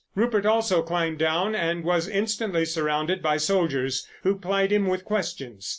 Rupert also climbed down and was instantly surrounded by soldiers, who plied him with questions.